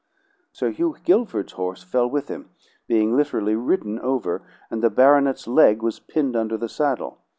Sir Hugh Guilford's horse fell with him, being literally ridden over, and the baronet's leg was pinned under the saddle.